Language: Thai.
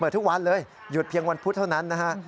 ทุกวันเลยหยุดเพียงวันพุธเท่านั้นนะฮะ